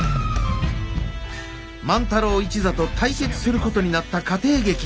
万太郎一座と対決することになった家庭劇。